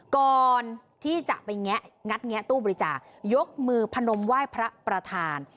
ก่อนที่จะไปแงะงัดแงะตู้บริจาคยกมือพนมไหว้พระประธาน